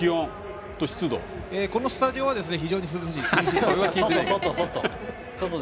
このスタジオは非常に涼しいです。